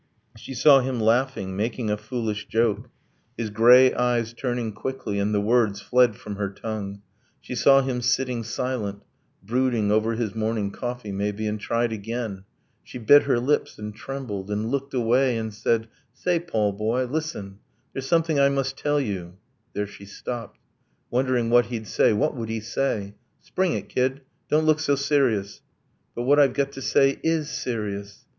She saw him laughing, making a foolish joke, His grey eyes turning quickly; and the words Fled from her tongue ... She saw him sitting silent, Brooding over his morning coffee, maybe, And tried again ... she bit her lips, and trembled, And looked away, and said ... 'Say Paul, boy, listen There's something I must tell you ...' There she stopped, Wondering what he'd say ... What would he say? 'Spring it, kid! Don't look so serious!' 'But what I've got to say IS serious!'